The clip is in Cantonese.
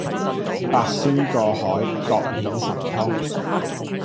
八仙過海各顯神通